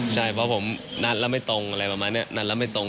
ใช่เพราะผมนัดแล้วไม่ตรงอะไรประมาณนี้นัดแล้วไม่ตรง